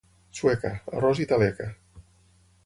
Sueca, arròs i taleca.